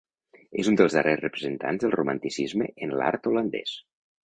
És un dels darrers representants del Romanticisme en l'art holandès.